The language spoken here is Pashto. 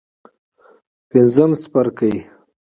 پنځم څپرکی.